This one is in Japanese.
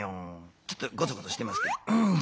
ちょっとゴソゴソしてますけど。